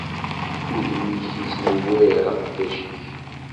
Udem-ik ittnewwir aqeddac-ik.